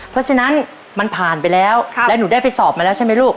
เรียนแล้วและหนูได้ไปสอบมาแล้วใช่ไหมลูก